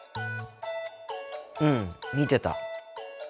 うん見てた。